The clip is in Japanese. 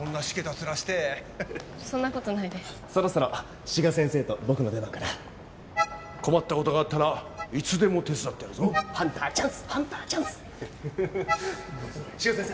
面してそんなことないですそろそろ志賀先生と僕の出番かな困ったことがあったらいつでも手伝うぞハンターチャンスハンターチャンス志賀先生